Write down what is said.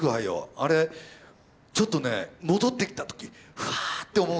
あれちょっとね戻ってきた時はあって思うよなんか。